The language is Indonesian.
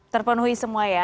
terpenuhi semua ya